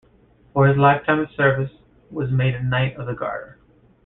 For his lifetime of service, was made a Knight of the Garter.